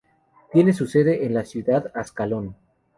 Tiene su sede en la ciudad de Ascalón.